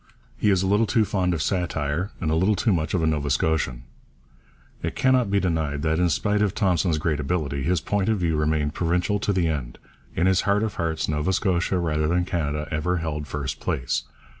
He is a little too fond of satire, and a little too much of a Nova Scotian.' It cannot be denied that, in spite of Thompson's great ability, his point of view remained provincial to the end. In his heart of hearts Nova Scotia rather than Canada ever held first place.